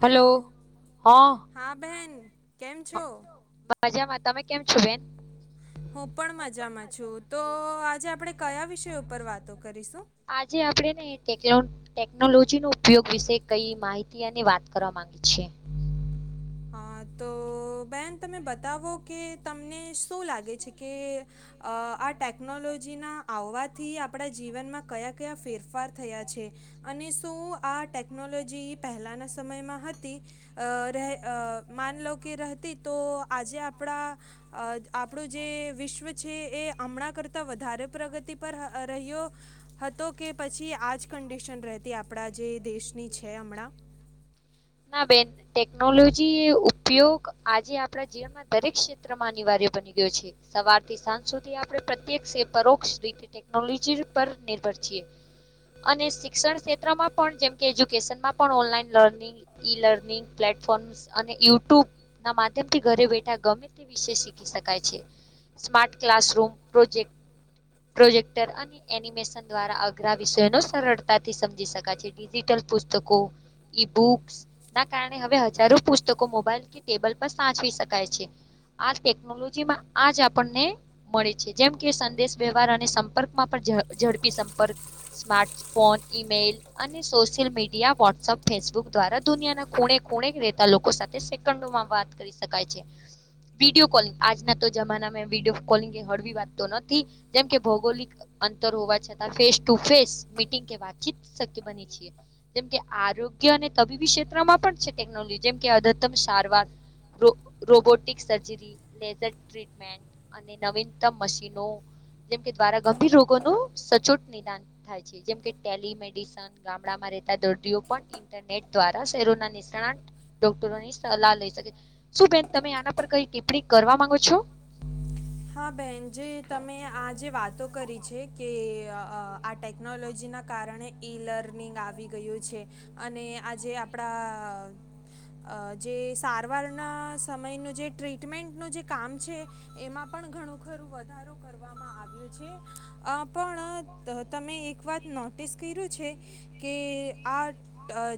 Hello hello હા બેહેન. મજામાં તમે કેમ છો બેન. હું પણ મજામાં છું તો આજે આપણેે કયા વિષય ઉપર વાતો કરીશું. આજે આપડે ને ટે ટેકનોલોજીનો ઉપયોગ વિશે કઈ માહિતી અને વાત કરવા મામાંગી છે. હા તો. બેન તમે બતાવો કે તમને શું લાગે છે કે આ ટેક્નોલોજી લોજી ના આવવાથી આપણા જીવનમાં કયા કયા ફેરફાર થયા છે અને શું. આ ટેકનોલોજી પહેલાંના સમયમાં હતી રહે. અ માન લો કે રહેતી તો આજે આપણા આપણું જે વિશ્વ છે. એ હમણાં કરતા વધારે પ્રગતિ પર રહ્યો હતો કે પછી આજ. ફાઉન્ડેશન રહેતી આપણા જે દેશની છે હમણાં ના બેન ટેકનોલોજી એ ઉપયોગ આજે આપણા જીવનમાં દરેક ક્ષેત્રમાં અનિવાર્ય. બની ગયો છે સવારથી સાંજ સુધી આપણે પ્રત્યક્ષ એ પરોક્ષ રીતે ટેકનોલોજી પર નિર્ધ હૈ અને શિક્ષણ ક્ષેત્ર જે એજ્યુકેશનમાં પણ online learning. E learning platform અને યુટ્યુબ. ના માધ્યમ થી ઘરે બેઠા ગમે તે વિષ શીખી શકાય છે. સ્માાર્ટ ક્લાસરૂૂમ પ્રોજેક્ટ પ્રોજેક્ટર અને એનિમેશન દ્વારા અઘરા વિષયો ન સરળતાથી સમજી શકા છે ડિજિટલ. પુસ્તકો ઇ બુક્સ. ના કારણે હવે હજારો પુસ્તકો મોબાઈલ કે ટેબલ પર સાચવી શકાય છે. આ ટેકનોલોજીમાં આજ આપણને મળે છે જેમ કે સંદેશ વ્યવહાર અને સંપર્કમાં પણ. ઝડપી સંપર્ક સ્માર્ટ ફોન ઈમેલ અને સોશિયલ મીડિયા વોટ્સઅપ ફે ફબક દ્વારા દુનિયાના ખૂણે ખૂણે રહેતા લોકો સાથે સેકન્ડોમાં વાત કરી શકાય છે. વિડીયો કોલિંગ આજના તો જમાનામાં વિડયો કોલિંગ એ હળવી વાત તો નથી જેમ કે ભૌગોલિક અંતર હોવા છતાં ફેસ ટુ ફેસ મિટિંગ કે વાતચીત શક્ય બની છે જેમ કે આરોગ્ય અને તબીબી ક્ષેત્રમાં પણ છે ટેકનોલોજી જેમ કે અદતમ સારવાર રોબોટિક સર્જરી લેઝર ટ્રીટમેન્ટ અને નવીનતમ મશીનો. જેમકે દ્વારા ગંભીર રોગોનું સચોટ નિદાન થાય છે જેમકે ટેલમેડિસન ગામડામાં દર્દીઓ પણ ઇન્ટરનેટ દ્વારા શહેરોના નિણા ડોક્ટરોની સલાહ લઈ શકે શું બેન તમે આના પર કઈ ટિપ્પણી કરવા માંગો છો. હા બેન જે તમે આજે વાત કરી છે કે આ ટેકનોલોજી ના કારણે ઈ લર્નિંગ આવી ગયું છે. અને આજે આપડા અ જે સારવારના સમયનું જે ટ્રીટમેન્ટનું જે કામ છે એમાં ણું ખ વધારો કરવામાં આવ્યો છે પણ તમે એક વાત નોટિસ કર્યું છે કે આ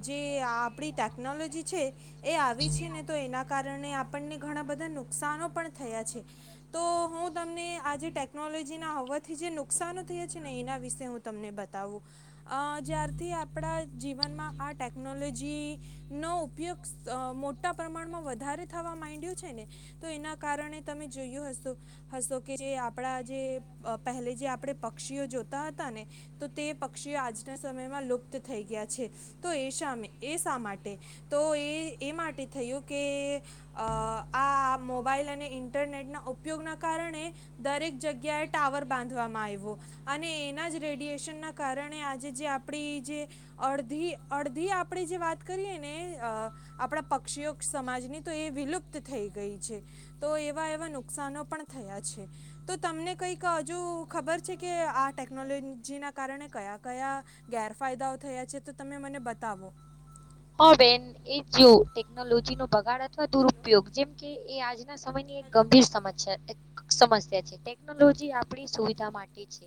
જે આપણી ટેકનોલોજી છે. એ આવી છે ને તો એના કારણે આપણને ઘણા બધા નુકસાનો પણ થયા છે. તો હું તમને આજે ટેકનોલોજીના હવાથી જે નુકસનો થયા છે, ને એના વિશે હું તમને બતા [inaudible] જયાર થી આપણા જીવનમાં આ ટેકનોલોજી નો ઉપયોગ મોટા પ્રમાણમાં વધારે થવા માંડ્યું છે ને તો એના કારણે તમે જોયું હશે, કે આપણા જે પહેલે જે આપણે પક્ષીઓ જોતા હતા ને તો તે એ પક્ષીઓ આજના સમયમાં લુપ્ત થઈ ગયા છે તો એ સામે એ શા માટે તો. એ એ માટે થયું કે એ આ મોબાઈલ અને ઇન્ટરનેટના ઉપ ઉપયોગના કારણે દરેક જગ્યાએ ટાવર બાંધવામાં આવ્યો અને એના જ રેડિયેશન કારણે આજે જે આપડી જે અડધી અડધી આપણે જે વાત કરીએ ને, આપણા પક્ષીઓ સમાજની તો એ વિલુપ્ત થઈ ગઈ છે, તો એવા એવા નુ નુકસાનો પણ થયા છે તો તમને કંઈક હજુ ખબર છે કે આ ટેકનોલોજીના ક કયા ગેરફાયદાઓ થયા છે તો તમે મને બતાવો. હ બેન એ જો ટેકનોલોજી નો બગાડ અથવા હેલો દુરુપયોગ જેમ કે એ આજ ના સમય ની એક હેલો ગંભીર સમસ્યા છે. સમસ્યા છે ટેકનોલોજી આપડી સુવિધા માટે છે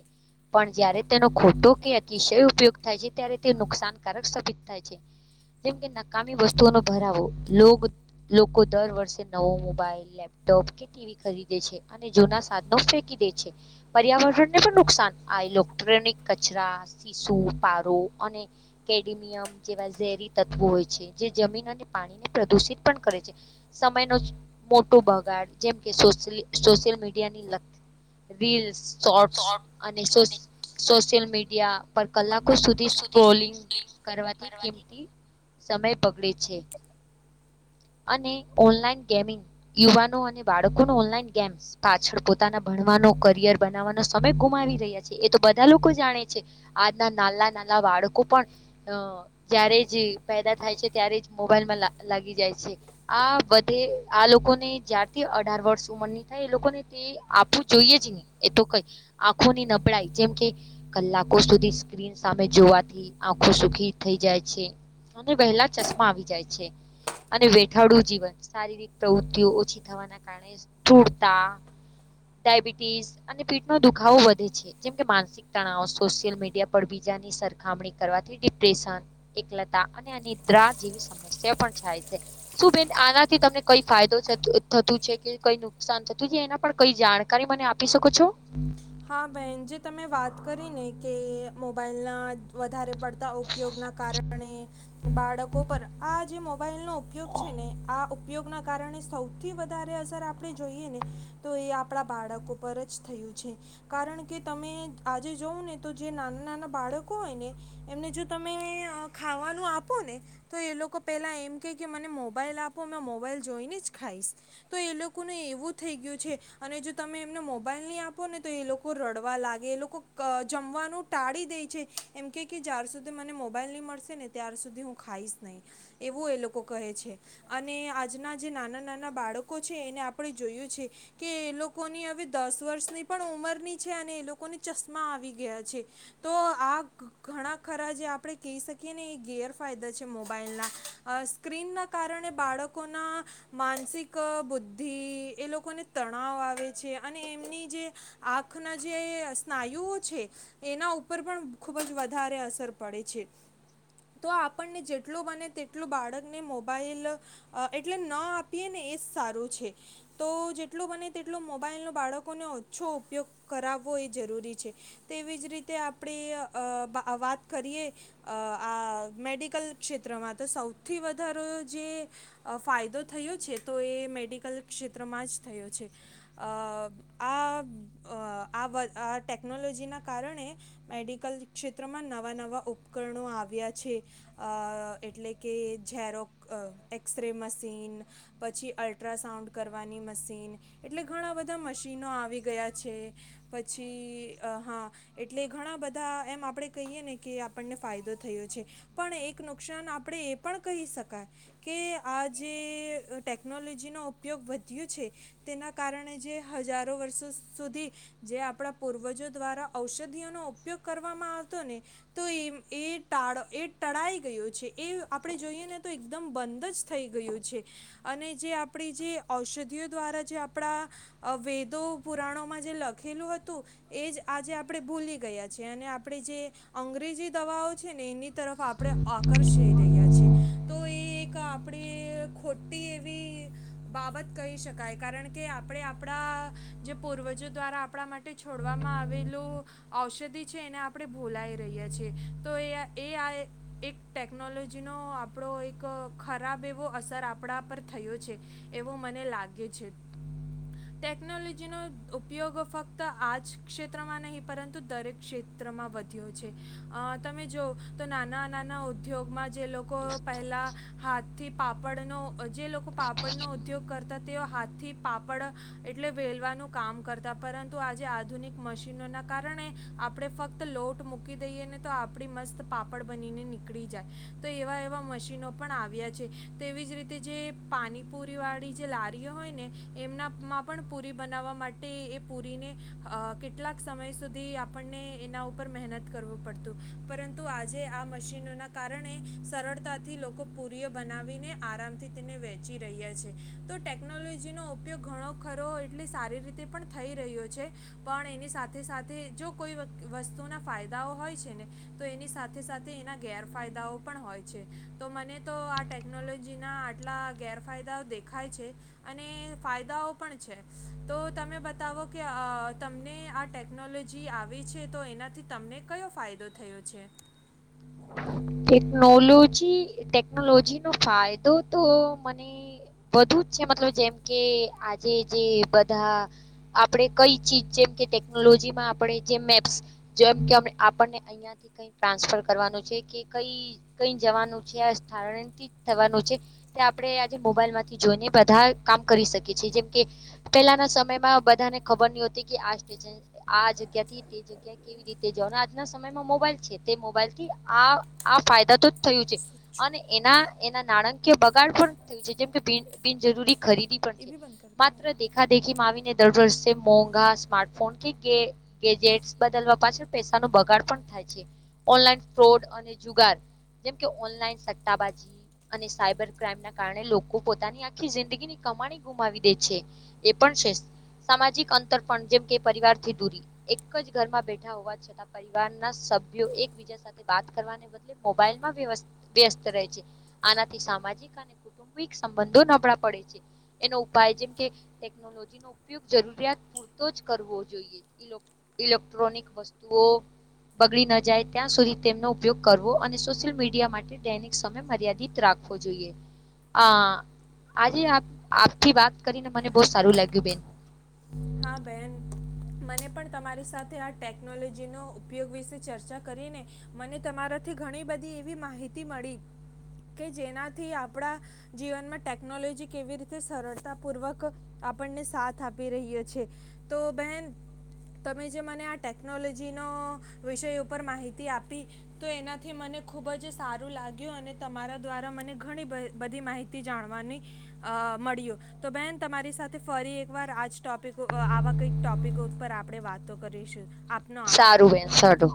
પણ જયારે તેનો ખોટો કે અતિશય ઉપયોગ થાય છે, ત્યારે તે નુકસાનકારક સાબિત થાય છે. જેમ કે નકામી વસ્તુઓનો ભરાવો લોકો દર વર્ષે નવો મોબાઈલ લેપટોપ ટ ખરીે છે અને જૂના સાધનો ફેકી દે પર્યાવરણને પણ નુકસાન ઇલેક્ટ્રોનિક કચરા સીશુ પારો અને કેડમિયમ જેવા ઝેરી તત્વો હોય છે જે જમીન અને પાણીને પ્રદુષિત પણ કરે છે સમયનો મોટો બગ જેમ કે સોશિયલ મીડિયાની [inaudible] રીલસ શોર્ટ્સ અને સો સોશિયલ મીડિયા, પર કલાકો સુધી સ્ક્રોલિંગ કરવાથી કિંમતી સમય બગડે છે. [unintelligible] અને ઓનલાઈન ગેમિંગ યુવાનો અને બાળકો ન ઓનલાઈન ગેમસ પાછળ પોતાના ભણવાનું, કરિયર બનાવવાનો સમય ગુમાવી રહ્યા છે એ બધા લોકો જાણે છે, આજના નાના નાલા વાળ બાળકો પણ અ જ્યારે જે પેદા થાય છે ત્યારે જ મોબાઈલમાં લાગી જાય છે આ બધે આ લોકોને જ્યારથી અઢાર વર્ષ ઉંમર ની થાય એ લોકોને તે આપવું જોઈએ જ નહી, એ તો કઈ આંખોની નબળાઈ કલાકો સુધી સ્ક્રીન સામે જોવાથી આંખો સુખી થઈ જાય છે. અને વહેલા ચશ્મા આવી જાય છે. અને વેઠાડું જીવન શારીરિક પ્રવૃત્તિઓ ઓછી થવાના કારણે સુધુળતા ડાયબિટીસ અને પીટ નો દુખાવો વધે છે જેમ કે માનસિક તણાવ સોશિયલ મીડિયા પર બીજ ની સરખામણી કરવાથી ડિપ્રેશન એક લત અને આ નિદ્રા જે સમસ્યા પણ થાય છે, શુ બેન આનાથી તમને કઈ ફાયદો છે. થતું છે કે કઈ નુકસાન થતું છે એના પણ કઈ જાણકારી મને આપી શકો છો? હા, બેન જે તમે વાત કરી ને કે મોબાઈલ ના વધારે પડતા ઉપયોગ ના કારણે બાળકો પર આ જે મોબાઈલ નો ઉપયોગ છે ને આ ઉપયોગ ના કારણે સૌથી વધારે અસર આપણે જોઈએ ને તો એ આપણા બાળકો પર જ થયું છે. કારણ કે તમે આજે જવ ને તો જે નાના નાના બાળકો હોય ને એમને જો તમે ખાવાનું આપો ને તો એ લોકો પેલા એમ કે મને મોબાઈલ આપો મે મોબાઈલ જો ય ને જ ખાયસ તો એ એવું થ ગયું જો તમે એમને મોબાઈલ ની આપો ને તો એ લોકો રડવા લાગે એ લોકો જમવાનું ટાળી દે છે, એમ કે જ્યાર સુધી મ મોબાઈલ મળશે ને ત્યાર સુધી હું ખાઈશ નહી એવું એ લોકો કહે છે, અને આજ ના જે નાના નાના બાળકો છે એને આપણે જોયું છે કે એ લોકોની હવે દસ વર્ષની પણ ઉમરની છે અને એ લોકોને ચશ્મા આવી ગયા છે, તો આ ઘણા ખરા જે આપણે કહી શકીએ ને એ ગેરફાયદા છે મોબાઈલના સ્ક્રીન ના કારણે બાળકોના માનસિક બુદ્ધિ એ લોકોને તણાવ આવે છે, અને એમની જે આંખ ના જે સ્નાયુઓ છે એના ઉપર પણ ખુબ જ વધારે અસર પડે, એ છે. તો આપણને જેટલું બને તેટલું બાળકને મોબાઈલ એટલે ન આપીએ ને સારું છે તો જેટલું બને તેટલો મોબાઈલ ન બાળકોને છો ઉપયોગ કરાવવો એ જરૂરી છે તેવી જ રીતે આપણે વાત કરી આ મેડિકલ ક્ષેત્રમાં તો સૌથી વધારો જે ફાયદો થયો છે તો એ મેડિકલ ક્ષેત્રમાં જ થયો છે આ હ ઓ ટેકનોલોજીના કારણે મેડિકલ ક્ષેત્રમાં નવા નવા ઉપકરણો આવ્યા છે એટલે કે ઝરો એક્સરે મશીન પછી અલ્ટ્રાસઉન્ડ કરવાની મશીન એટલે ઘણા બધા મશીનો આવી ગયા છે પછી હા એટલે ઘણા બધા એમ આપણે કહીએ ને કે આપને ફાયદો થયો છે પણ એક નુકસાન આપણે એ પણ કહી શકાય કે આ જે ટેકનોલોજીનો ઉપયોગ વધ્યો છે તેના કારણે જે હજારો વર્ષો સુધી જે આપણા પૂર્વજો દ્વારા ઔષધિઓ નો ઉપયોગ કરવામાં આવતો ને તો એ ટ એ ટળાઈ ગયો છે એ આપડે જોઈએ ને તો એકદમ બંધ જ થઈ ગયું છે છે અને જે આપણી જે ઔષધિઓ દ્વારા જે આપણા વેદો પુરાણોમાં જે લખેલું હતું એ જ આજે આપણે ભૂલી ગયા છે અને આપણે જે અંગ્રે જે દવાઓ છે ને એની તરફ આપણે આકર્ષી રહ્યા છીએ તો એ એક આપણે ખોટી એવી બાબત કહી શકાય કારણ કે આપણે આપડા જે પૂર્વજો દ્વારા આપણા માટે છોડવામાં આવેલું ઔષધિ છે એને આપણે ભોલાઈ રહી છે. ટેકનોલોજીનો આપણો એક ખરાબ એ અસર આપણા પર થયો છે એવો મને લાગે છે ટેકનોલોજી જેનો ઉપયોગ ફક્ત આ જ ક્ષેત્રમાં નહીં પરંતુ દરેક ક્ષેત્રમાં વધ્યો છે અ તમે જો તો નાના નાના ઉદ્યોગમાં જે લોકો લોકો પહેલા હાથથી પાપડનો જે લોકો પાપડનો ઉદ્યોગ કરતા તેઓ હાથથી પાપડ એટલે વેલવાનું કામ કરતા પરંતુ આજે આધુનિક મશીનો ના કારણે આપણે ફક્ત લોટ મુકી દઈએને તો આપડી મસ્ત પાપડ બનીને નીકળી જાય તો એવા એવા મશીનો પણ આવ્યા છે છે તેવી જ રીતે જે પાણીપુરીવાળી જે લારીઓ હોય ને એમનામાં પણ પુરી બનાવવા માટે એ પુરીને કેટલાક સમય સુધી આપણને એના ઉપર મહે કરવું પડતું પરંતુ આજે આ મશીનોના કારણે સરળતાથી લોકો પૂરી બનાવીને આરામથી તેને વેચી રહ્યા છે તો ટેકનોલોજી નો ઉપયોગ ઘણો ખરો એ સારી રીતે પણ થઈ રહ્યો છે પણ એની સાથે સાથે જો કોઈ વસ્તુના ફાયદા ા હોય છે ને તો એની સાથે સાથે એના ગેરફાયદાઓ પણ હોય છે તો મને તો ટેકનોલોજીના આટલા ગેરફાયદાઓ દેખાય છે અને ફાયદાઓ પણ છે તો તમે બતાવો કે તમને આ ટેકનોલોજી આવી છે તો એનાથી તને ને કયો ફાયદો થયો છે ટેકનોલોજી ટેકનોલોજી નો ફાયદો તો મને વધુ છે મતલબ જેમ કે આજે જે બધા આપણે કઈ ચીજ જેમ કે ટેકનોલોજીમાં આપણે જે મેપ્સ જેમ કે આપને અહ ક ટ્રાસફર કઈ જવાનું છેથથી થવાનું છે આપે આજે મોબાઈલ માંથી જોઈને બધા કામ કરી શકે છે જેમકે પેલાના સમયમાં બધાને ખબર નહ હોતી આ સ્ટેશન આ જગ્યા થી તે જગ્યા કેવી રીતે જવાનું આજના સમયમાં મોબાઈલ છે તે મોબાઈલ થી આ આ ફાયદા તો જ થયું છે અને એના એના નાણાકીય બગાડ પણ થયું છે. જે કે બિનજરૂરી ખરીદી પણ એ છે ભી બંધ કર માત્ર દી દેખા દેખીમાં આવીને દર વર્ષે મોંઘા સ્માર્ટફોન કે ગેજેટસ બદલવા પાછળ પૈસા ન બગાડ પણ થાય. જુગાર જેમકે ઓનલાઈન સટ્ટાબાજી અને સાબર ક્રાઈમ ના કારણે લોકો પોતાની આખી જિંદગીની કમાણી ગુમાવી દે છે એ પણ સામાજિક અંતર પણ જેમ કે પરિવાર થી દૂરી એક જ ઘરમાં બેઠા હોવા છતાં પરર ના સભ્યો એકબીજા સાથે વાત કરવા બદલે મોબાઈલમાં વ્યસ્ત રહે છે, આનાથી સામાજિક અને કુટુંબિક વઘુ નબળા પડે છે, એનો ઉપાય જેમ કે ટેકનોલોજી નો ઉપગ જરૂિયા પુરતો જ ઇલેક્ટ્રોનિક વસ્તુઓ બગડી ન જાય ત્યાં સુધી. તેમનો ઉપયોગ કરવો અને સોશિયલ મીડિયા માટે દૈનિક સમય મર્યાદિત રાખવો જોઈએ. અ આજે આપથી વાત કરીને મને બહ સારું લાગ્યું બેન. હા બેહેન. મને પણ તમારી સાથે આ ટેકનોલોજીનો ઉપયોગ વિશે ચર્ચા કરીને મને તમારા થી ઘણી બધી એવી માહિતી મળી. કે જેનાથી આપણા જીવનમાં ટેકનોલોજી કેવી રીતે સરળતાપૂર્વક આપણને સાથ આપી રહ્યો છે, તો બહેન તમે જે મને આ ટેકનોલોજીનો વિષય ઉપર માહિતી આપી તો એનાથી મને ખબ જ સારું લાગ્યું અને તમારા દ્વારા મને ઘણી બધી માહિતી જાણવાની મળ્યું તો બેન તમારી સાથે ફરી એકવાર આજ ટોપિક આવા કઈક ટોપિકો ઉપર આપણે વાતો કરીશું. આપનો આભાર સારું વેન સાડું.